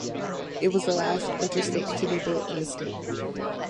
It was the last interstate to be built in the state.